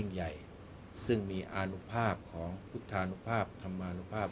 ใหญ่ซึ่งมีอานุภาพของพุทธานุภาพธรรมานุภาพ